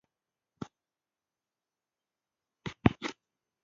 مصنوعي ځیرکتیا د محتوا تولید اسانه کوي.